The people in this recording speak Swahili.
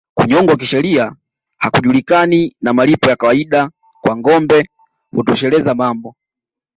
Kunyongwa kisheria hakujulikani na malipo ya kawaida kwa ngombe hutosheleza mambo